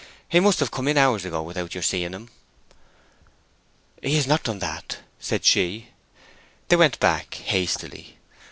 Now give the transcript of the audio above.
He must have come in hours ago without your seeing him." "He has not done that," said she. They went back hastily.